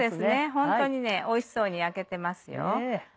ホントにおいしそうに焼けてますよ。